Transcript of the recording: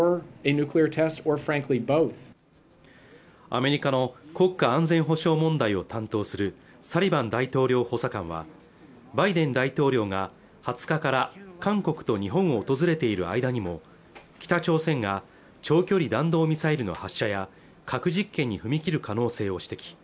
アメリカの国家安全保障問題を担当するサリバン大統領補佐官はバイデン大統領が２０日から韓国と日本を訪れている間にも北朝鮮が長距離弾道ミサイルの発射や核実験に踏み切る可能性を指摘